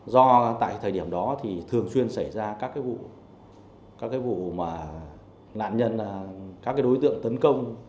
do tại thời điểm đó thường xuyên xảy ra các vụ nạn nhân các đối tượng tấn công